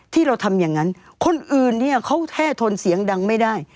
ที่เราทำอย่างนั้นคนอื่นเนี่ยเขาแท่ทนเสียงดังไม่ได้